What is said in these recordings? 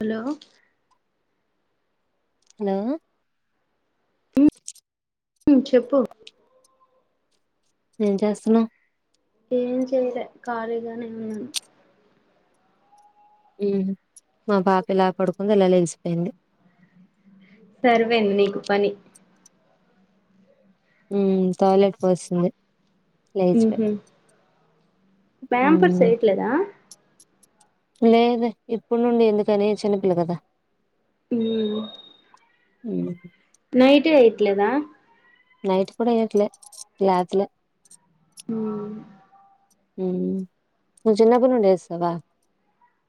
Hello hello చెప్పు చేస్తునా ఏం చేయర కళగానేే ఉన్నాను మా పాప ఇలా పడుకుందో ఇలా లేలిసిిపోయింది సర్వేను నకు పని టాయిలెట్ పర్సంది లేజ ఉహు ప్యాంపర్స్ ఎయట్లేదా లేదు ఇప్పుడు నుండి ఎందుకని చిన్నపిల్ల కదా ఉ అ నైట్ ఎయిట్లదా నైట్ కూడా కూడా ఏకులే రాత్ల ఆ చిలా ప ఉండేసవా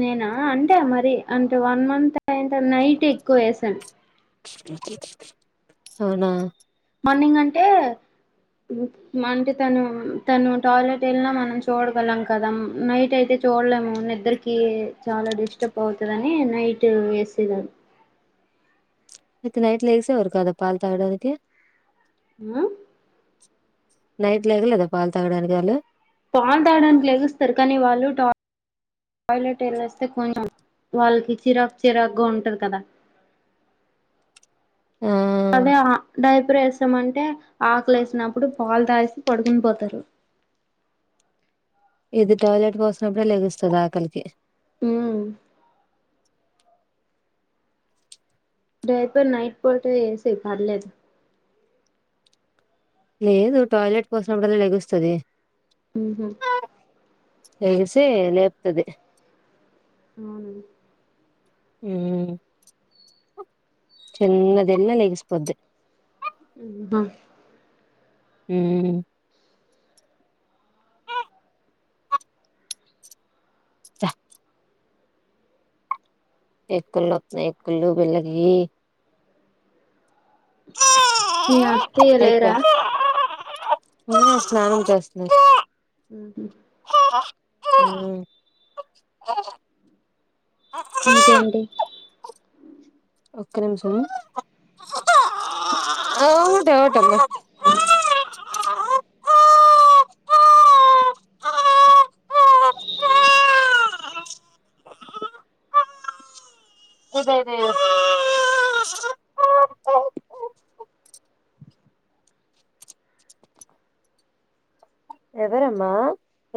నేనా అంటే మరి అంటే వన్ మంత్ అంట నైట్ ఎక్కువ వేసాను అవునా మార్నింగ్ అంటే అంటే తను తను టాయిలెట్ వెళ్ళిన మనం చూడగలం కదా నైట్ అయితే చూడలేము నిద్దరికి చాలా డిస్టర్బ్ అవుతుందిని నైట్ వేసేదారు అయితే నైట్ లో ఎక్సా వర కాదా పాాల తాగడా ఆ నైట్ లేగలేదా పాలు తాగడానికి వాళ్ళు పాల్ తాడానికి లే ఇస్తారు కానీ వాళ్ళు ట టాయిలెట్ వెళ్ళేస్తే కొంచెం వాళ్ళకి చిరాకు చిరాకుగా ఉంటుంది కదా ఆ అదేంటపు అంటే ఆకలే వసినప్పుడు పాలు తాసి పడుకుని పోతారు ఇది టాయిలెట్ పోసినప్పుడే లెస్తుంది ఆకలికి అ డ్రైపర్ నైట్ పోట వేసి పర్లేదు లేదు టాయిలెట్ పోసడం వల్ల ెగుస్తుది హహ హగసే లేపుతది అవు అ చిన్నది ఎల నెగస్పోోద్ బా అ సఫ ఎ కల్లన్నా ఎ కల్లూ వెళ్ళగి మీ అతి ఎలేరా ఉ స్నానం చేస్తున్నారు ఉహు ఉ ఇంకేంటి ఒక్క నిమిషంము ట ట అదే అదే ఎవరమ్మా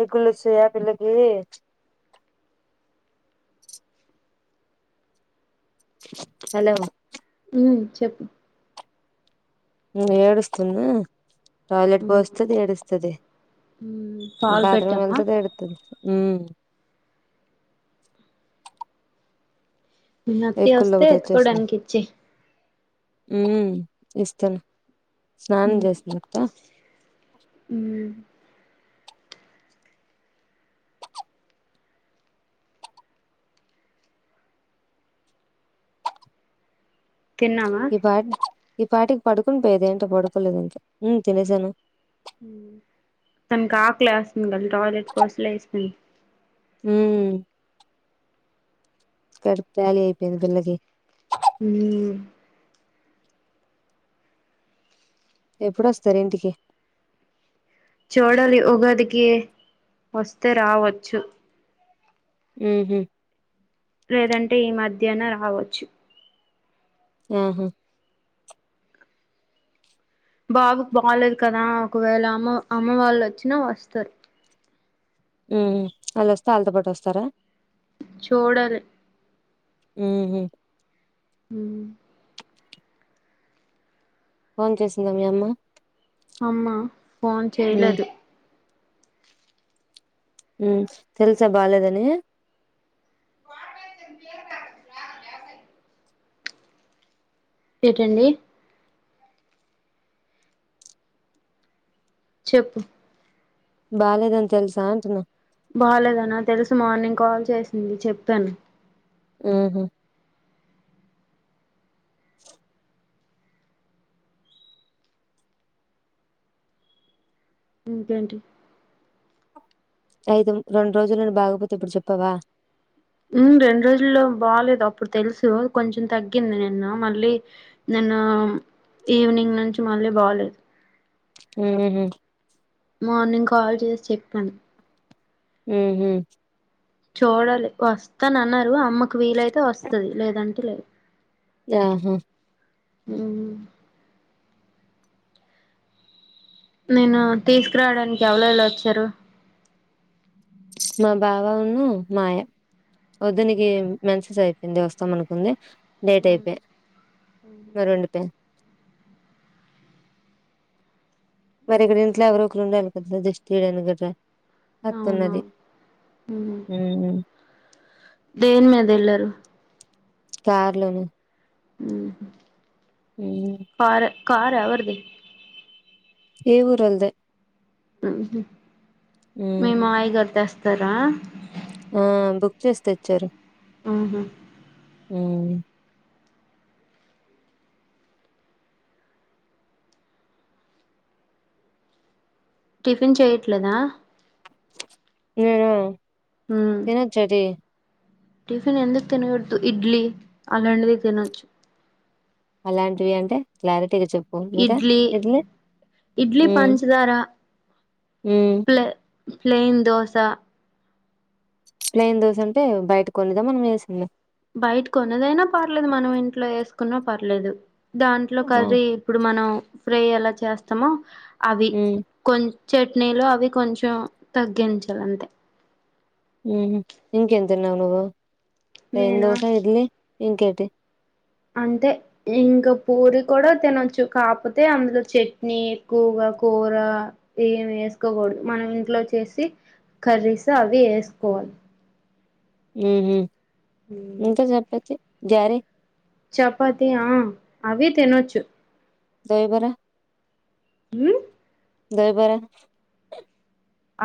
ఎక్కుళ్ళు వచ్చినాయా పిల్లకి హలో ఉ చెప్పు ఏడుస్తున్న టాయిలెట్ ఉమ్ పోస్తది ఏడుస్తుది ఉమ్ పాలు బాత్రూమ్ పెట్టావా వెళ్తుంది ఏడుతది ఉ నొప్పి వస్తే ఎత్తుకోడానికి ఇచ్చియి ఉ ఇస్తను స్నానం ఉమ్ చేస్తుంది అత్త ఉమ్ తిన్నావా ఈ పాటి ఈ పాటికి పడుకుని పోయేది ఏంటో పడుకోలేదు ఇంకా ఉ తినసాను ఉ తన్ కా ఆకలా ఎస్తది క టాయిలెట్ పోసి లేసిపోయింద్ ఉ కడుపు కాళీ అయిపోయింది పిల్లకి ఉ ఎప్పుడొస్తారు ఇంటికి చూడలి ఉగాదికి వస్తే రావచ్చు ఉహూ లేదంటే ఈ మధ్యన రావచ్చు ఉహూ బాబుకు బాలేదు కదా ఒకవేళ అమ్మ అమ్మ వాళ్ళు వచ్చినా వస్తారు ఉ వాళ్లు వస్తా అల్తో పటు వస్తారా చూడలి ఉ ఉ ఫోన్ చేసిందా మీ అమ్మ అమ్మ ఫోన్ ఉమ్ చేయలేదు ఉ తెలుసా బాలేదని వాట్ ఐఫోన్ పేరు రాసిందా గ్యాస్ అయిపోయింది ఏంటండీ చెప్పు బాలేదని తెలుసా అంటున్నా బాలేదనా తెలుసు మార్నింగ్ కాల్ చేసింది చెప్పాను ఉహూ ఇంకేంటి అయితే రెండు రోజులు నుండి బాగొపోతే ఇప్పుడు చెప్పావా ఉ రెండు రోజుల్లో బాలేదు అప్పుడు తెలుసు కొంచెం తగ్గింది నిన్న మళ్ళీ న ఈవినింగ్ నుంచి మళ్ళీ బాలేదు ఉ మార్నింగ్ కాల్ చేసి చెప్పాను ఉ ఉ చూడాలి వస్తాన అన్నారు అమ్మకు వీలైతే వస్తుది లేదంటే లేదు య్యహా ఊ నిను తీసుకురావడానికి ఎవలేవలు వచ్చారు మా బావ ఉన్ను మాయ వదినకి మెన్సెస్ అయిపోయింది వస్తాం అనుకుంది డేట్ అయిపోయి మరి ఉండిపే మరి ఇక్కడ ఇంట్లో ఎవరు ఒకరు ఉండాలి కదా జస్ట్ తియడానికి ఇట్లా వతున్నది అవునవును మ్మ్ హు దేని మీద వెళ్లరు కార్ లోను హు [unintelligible] కార్ ఎవరిది ఇ ఊరు ఒళ్ళది ఉహు మీ మామయ్య గారు తెస్తారా ఆ బుక్ చేసి తెచ్చారు ఆహా ఉహు టిఫిన్ చేయట్లేదా నేను మ్మ్ తినొచ్చా అది టిఫిన్ ఎందుకు తినకూడదు ఇడ్లీ అలాంటివి తినొచ్చు అలాంటివి అంటే క్లారిటీగా చెప్పు ఇంకా ఇడ్లీ ఇడ్లీ హు పంచదార హు ప్లైన్ దోస ప్లేన్ దోస అంటే బయట కొన్నదా మనం వేసిందా ట్లో వేసుకున్నా పర్లేదు దాంట్లో ఆ కర్రీ ఇప్పుడు మనం ఫ్రై ఎలా చేస్తామో అవి హ్మ్ కొం చట్నీలో అవి కొంచెం తగ్గించాలి అంతే ఉ ఇంకేం తిన్నావు నువ్వు ప్లేన్ నేనా దోస ఇడ్లీ ఇంకేటి అంతే ఇంకా పూరి కూడా తినొచ్చు కాపోతే అందులో చట్నీ ఎక్కువగా కూర ఏమి వేసుకోకూడదు మనం ఇంట్లో చేసి కర్రీస్ అవి వేసుకోవాలి ఉహు ఇంకా చపాతి గారే చపాతీ ఆ అవి తినొచ్చు దయబార హు దయబార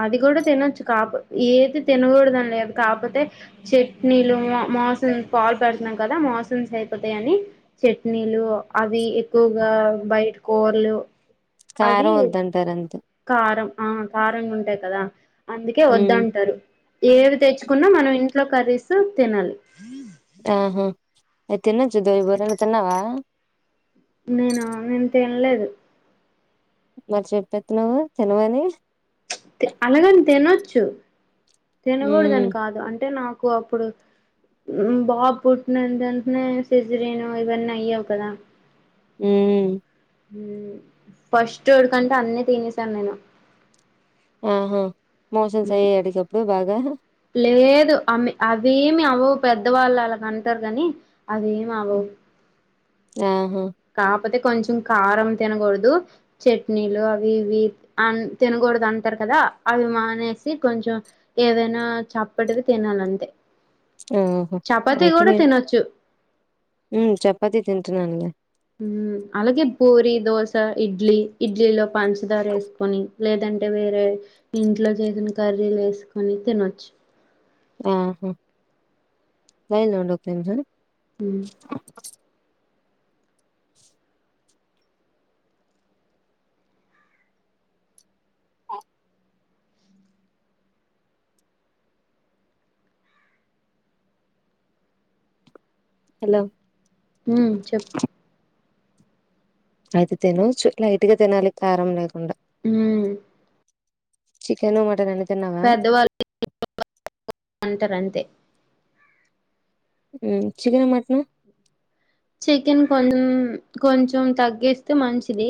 అది కూడా తినొచ్చు కాపో ఏది తినకూడదని లేదు కాకపోతే చట్నీలు మోసం పాలు పెడుతున్నాం కదా మోసషన్స్ అయిపోతాయని చట్నీలు అవి ఎక్కువగా ఆ బయటి కూరలు అవి కారం వద్దంటారు అంతే కారం ఆ కారం గా ఉంటాయి కదా అందుకే హ్మ్ వద్దంటారు ఏవి తెచ్చుకున్నా మనం ఇంట్లో కర్రీస్ తినాలి ఆహా అయి తినొచ్చు [unintelligible] తిన్నావా నేను నేను తినలేదు మరి చెప్పేతన్నావా తినమని అలాగని తినొచ్చు హ్మ్ తినకూడదాని కాదు అంటే నా కో అప్పుడు బాబు పుట్టిన ఏంట వెంటనే సిజరిన్ ఇవన్నీ అయ్యావు కదా హ్మ్ ఫస్ట్ ఉడకంట అన్ని తినేసాను నేను ఆహా మోసన్స్ అయ్యయ నీకు అప్పుడు బాగా లేదు అమి అవేమి అవ్వవు పెద్ద వాళ్ళు అలాగ అంటారు గాని అది ఏమ్ అవ్వవు ఆహాం పోతే కొంచెం కారం తినకూడదు చట్నీలు అవి ఇవి అ తినకూడదు అంటారు క కదా అది మానేసి కొంచం ఏదైనా చప్పటిది తినాలంతే ఆహా ఓహో! చపాతి గూడా తినొచ్చు మ్మ్ చపాతి తింటున్నానులే అలాగే పూరి దోశ ఇడ్లీ ఇడ్లీలో పంచదార ఎసుకొని లేదంటే వేరే ఇంట్లో చేసిన కర్రీలు వేసుకొని తినొచ్చు ఆహా లైన్ లో ఉండు ఒక నిమిజాలు మ్ ఆ హలో మ్మ్ చెప్పు అయితే తినొచ్చు లైట్ గా తినాలి కారం లేకుండా హ్మ్ చికెను మటన్ అ పెద్దవాళ్ళు [inaudible] అంటారు అంతే చికెన్ ఆ మటన్ ఆ చికెన్ కొ కొంచెం తగ్గేస్తే మంచిది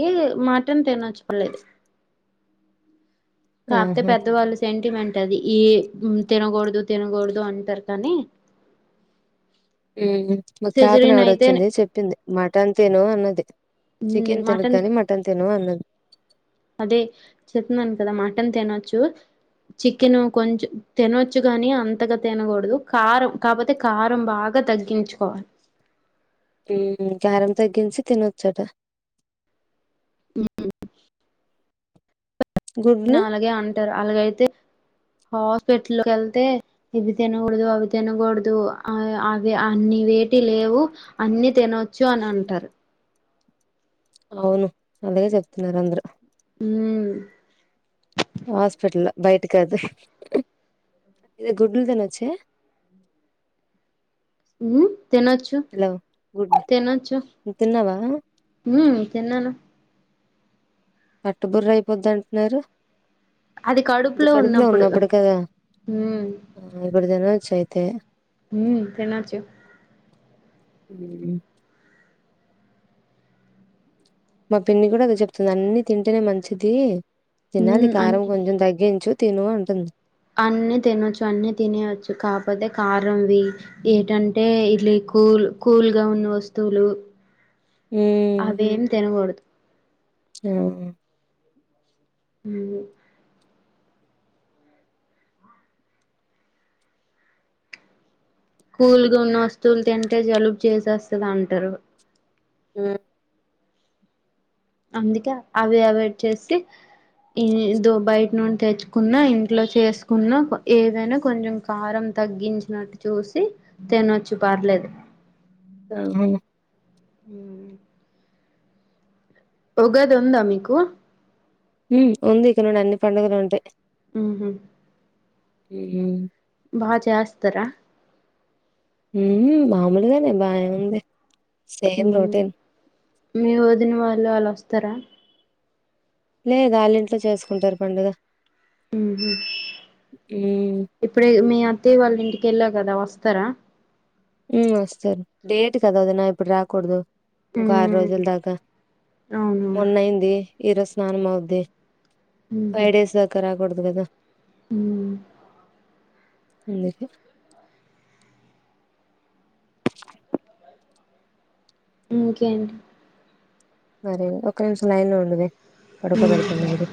మటన్ తినొచ్చు పర్లేదు కాపోతే ఆహా! పెద్దవాళ్ళు సెంట మెంట్ అది ఏ తినకూడదు తినకూడదు అంటారు కానీ మా కాపన సిజరిన్ ఆవిడ అయితే వచ్చింది చెప్పింది మటన్ తిను అన్నది చికెన్ తినక్ గాని మటన్ తిను అన్నాది అదీ చెప్తున్నాను కదా మటన్ తినొచ్చు చికెన్ కొంచెం తినొచ్చు గాని అంతగా తినకూడదు కారం కాకపోతే కారం బాగా గా తగ్గించుకోవాలి మ్మ్ కారం తగ్గించి తినొచ్చట గుడ్లు అలాగే అంటారు అలాగైతే హాస్పిటల్ కెళ్తే ఇవి తినకూడదు అవి తినకూడదు అవి అన్ని ఏటి లేవు అన్ని తినొచ్చు అని అంటారు అవును అందుకే చెప్తున్నారు అందరు మ్మ్ హాస్పిటల్లో బయట కాదు ఇ గుడ్లు తినొచ్చే తినొచ్చు హలో! గుడ్లు తినొచ్చు తిన్నావా? మ్మ్ తిన్నాను మట్టి బుర్ర అయిపోద్ది అంటున్నారు ఇది కడుపులో ఉన్నప్పుడు కదా ఉమ్ ఇప్పుడు తినొచ్చు అయితే తే హ్మ్ తినొచ్చు మ్మ్ మా పిన్ని కూడా అదే చెప్తుతది అన్ని తింటేనే మంచిది తినాలి ఉమ్ కారం అన్ని కొంచెం తగ్గించు తిను అంటుంది అన్ని తినచ్చు అన్ని తినేయవచ్చు కాకపోతే కారంవి ఏంటంటే ఇడ్లీ కూల్ కూల్ గా ఉన్న వస్తువులు హ్మ్ అదేం తినలేదు ఆ ఉ కూల్గా ఉన్న వస్తువులు తింటే జలుబ చేసేస్తుంది అంటారు హ్మ్మ్ అందుకే అవి అవాయిడ్ చేసి హ్మ్మ్ ఇదో బయట నుండి తెచ్చుకున్న ఇంట్లో చేసుకున్న ఏవైనా కొంచెం కారం తగ్గించినట్టు చూసి తినొచ్చి పర్లేదు హాయ్ హలో హ్మ్మ్ ఉగాది ఉందా మీకు హుమ్మ్ ఉంది ఇక నుండి అన్ని పండుగలు ఉంటాయి ఉహూ ఉహుమ్ బా చేస్తారా ఉ మామూలుగానే బాయం ఉంది ఉ సేమ్ రొటీన్ మీ వదిన వాళ్ళు ఆళ్ళు వస్తారా లేదు వాళ్ళ ఇంట్లో చేసుకుంటారు పండుగ ఉహూ హ్మ్ ఇప్పుడే మీ అత్త వాళ్ళ ఇంటికెళ్ళా కదా వస్త త్తర హ్మ్మ్ వస్తారు డేట్ కద వదిన ఇప్పుడు రాకూడదు ఇంకా ఆరు ఉమ్ రోజుల దాకా అవును మొన్నయింది ఈరోజు స్నానం అవుద్ది ఫైవ్ డేస్ దాక రాకూడదు కదా హ్మ్మ్ అందుక ఇంకేంటి మరే ఒక నిమిషం లైన్లో ఉండవే ఉమ్ పడుకోబెడుతుంది అది